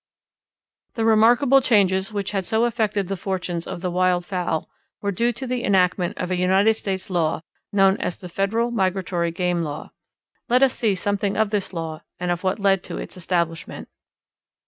The remarkable changes which had so affected the fortunes of the wild fowl were due to the enactment of a United States law known as the Federal Migratory Game Law. Let us see something of this law and of what led to its establishment.